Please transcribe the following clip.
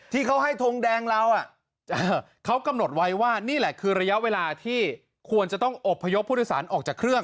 ที่เขาให้ทงแดงเราเขากำหนดไว้ว่านี่แหละคือระยะเวลาที่ควรจะต้องอบพยพผู้โดยสารออกจากเครื่อง